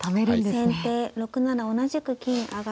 先手６七同じく金上。